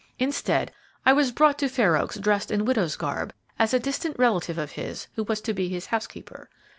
Instead, I was brought to Fair Oaks dressed in widow's garb, as a distant relative of his who was to be his housekeeper.